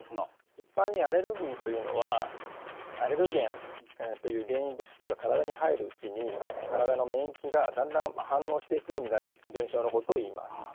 一般にアレルギーというのはアレルゲンという原因物質が体に入るうちに体の免疫がだんだん反応していくようになる現象のことをいいます。